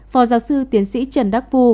phó giáo sư tiến sĩ trần đắc phu